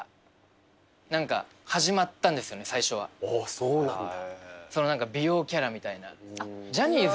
おおそうなんだ。